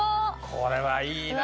これはいいな。